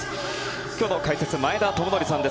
今日の解説、前田智徳さんです。